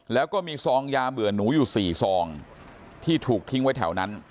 แล้วก็มีซองยาเบื่อหนูอยู่๔ซองที่ถูกทิ้งไว้แถวนั้น